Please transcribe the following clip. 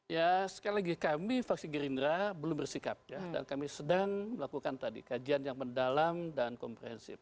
ya sekali lagi kami fraksi gerindra belum bersikap dan kami sedang melakukan tadi kajian yang mendalam dan komprehensif